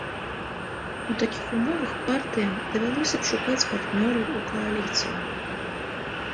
У такіх умовах партыям давялося б шукаць партнёраў у кааліцыю.